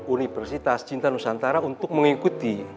universitas cinta nusantara untuk mengikuti